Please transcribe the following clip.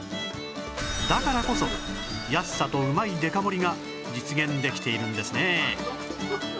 だからこそ安さとうまいデカ盛りが実現できているんですね